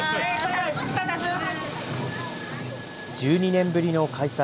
１２年ぶりの開催。